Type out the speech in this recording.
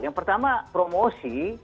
yang pertama promosi